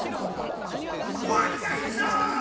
ワニがいるぞー！